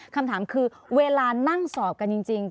คำถามคือเวลานั่งสอบกันจริง